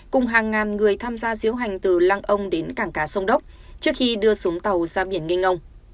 cùng hàng ngàn người tham gia diễu hành từ lăng ông đến cảng cá sông đốc trước khi đưa xuống tàu ra biển nghinh ông